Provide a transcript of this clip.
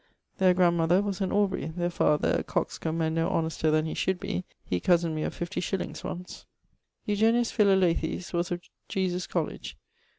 Their grandmother was an Aubrey: their father, a coxcombe and no honester then he should be he cosened me of 50_s._ once. Eugenius Philalethes was of Jesus College.